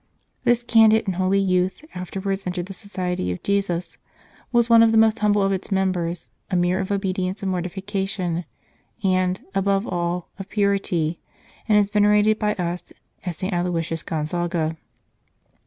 This candid and holy youth afterwards entered the Society of Jesus, was one of the most humble of its members, a mirror of obedience and morti fication, and, above all, of purity, and is venerated by us as St. Aloysius Gonzaga.